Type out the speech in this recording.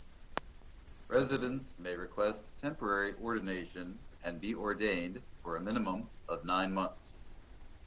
Residents may request temporary ordination and be ordained for a minimum of nine months.